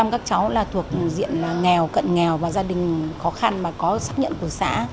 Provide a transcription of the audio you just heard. tám mươi các cháu là thuộc diện là nghèo cận nghèo và gia đình khó khăn mà có xác nhận của xã